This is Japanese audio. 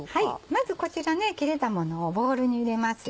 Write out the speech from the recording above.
まずこちら切れたものをボウルに入れます。